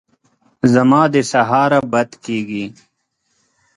زما د سهاره بد کېږي !